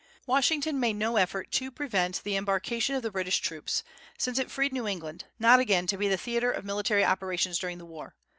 Washington made no effort to prevent the embarkation of the British troops, since it freed New England, not again to be the theatre of military operations during the war.